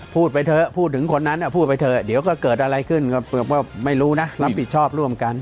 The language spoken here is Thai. พูดไปเถอะพูดถึงคนนั้นพูดไปเถอะเดี๋ยวก็เกิดอะไรขึ้นก็ไม่รู้นะรับผิดชอบร่วมกัน